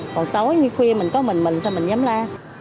còn tối như khuya mình có mình mình thôi mình dám la